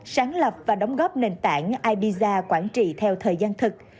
sáng lập và đóng góp nền tảng iba quản trị theo thời gian thực